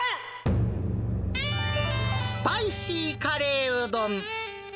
スパイシーカレーうどん。